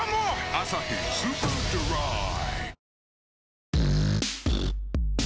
「アサヒスーパードライ」